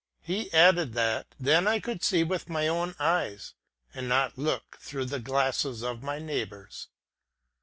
He added that, then 1 could see with my own eyes, and not look through the glasses of my neighbors."